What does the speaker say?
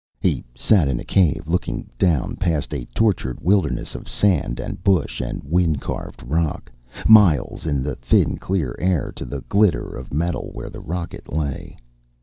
He sat in a cave, looking down past a tortured wilderness of sand and bush and wind carved rock, miles in the thin clear air to the glitter of metal where the rocket lay.